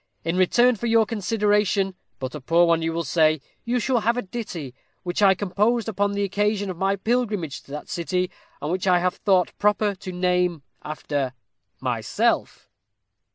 In return for your consideration, but a poor one you will say, you shall have a ditty, which I composed upon the occasion of my pilgrimage to that city, and which I have thought proper to name after myself."